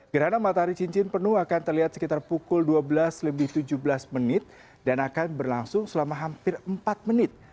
gerhana matahari cincin penuh akan terlihat sekitar pukul dua belas lebih tujuh belas menit dan akan berlangsung selama hampir empat menit